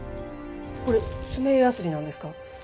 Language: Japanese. これ爪ヤスリなんですか？